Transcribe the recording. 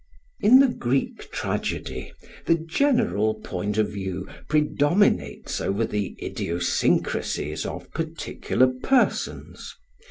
In the Greek tragedy the general point of view predominates over the idiosyncrasies of particular persons.